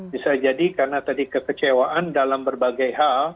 bisa jadi karena tadi kekecewaan dalam berbagai hal